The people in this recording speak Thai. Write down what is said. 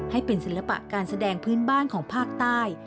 ให้เป็นศิลปะการแสดงพื้นบ้านของภาคใต้